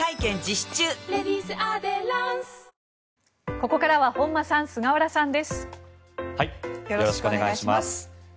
ここからは本間さん、菅原さんです。